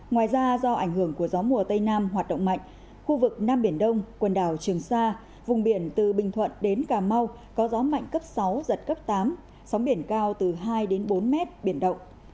ngoài ra do ảnh hưởng của gió mùa tây nam hoạt động mạnh khu vực nam biển đông quần đảo trường sa vùng biển từ bình thuận đến cà mau có gió mạnh cấp sáu giật cấp tám sóng biển cao từ hai đến bốn mét biển động